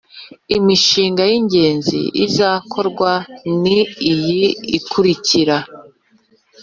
Imishinga y ingenzi izakorwa ni iyi ikurikira